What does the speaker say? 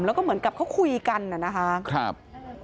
แล้วก็เหมือนกับเขาคุยกันนะครับ